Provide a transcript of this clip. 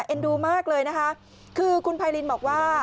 เอ็นดูมากเลยนะคะคือคุณไพรินบอกว่า